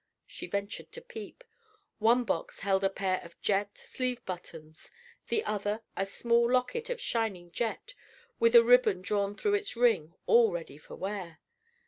She ventured to peep. One box held a pair of jet sleeve buttons; the other, a small locket of shining jet, with a ribbon drawn through its ring, all ready for wear.